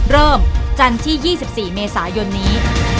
เริ่มจันทร์ที่๒๔เมษายนนี้